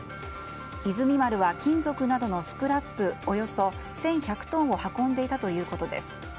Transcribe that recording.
「いずみ丸」は金属などのスクラップおよそ１１００トンを運んでいたということです。